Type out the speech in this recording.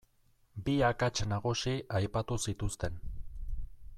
Bi akats nagusi aipatu zituzten.